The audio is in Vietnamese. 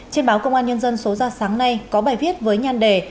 trên báo công an nhân dân số ra sáng nay có bài viết với nhan đề